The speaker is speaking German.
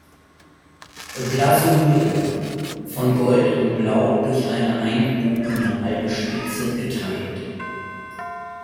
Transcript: Blasonierung: „Von Gold und Blau durch eine eingebogene halbe Spitze geteilt.